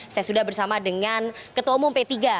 saya sudah bersama dengan ketua umum p tiga